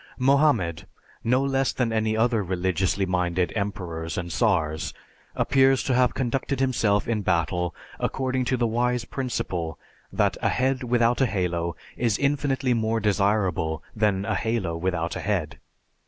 Mohammed, no less than many other religiously minded emperors and tsars, appears to have conducted himself in battle according to the wise principle that a head without a halo is infinitely more desirable than a halo without a head.